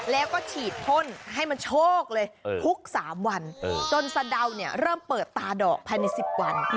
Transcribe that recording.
แล้วก็ฉีดพ่นให้มันโชคเลยทุก๓วันจนสะเดาเนี่ยเริ่มเปิดตาดอกภายใน๑๐วัน